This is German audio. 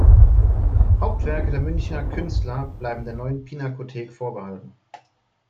Hauptwerke der Münchner Künstler blieben der Neuen Pinakothek vorbehalten.